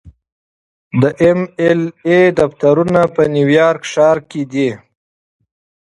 د ایم ایل اې دفترونه په نیویارک ښار کې دي.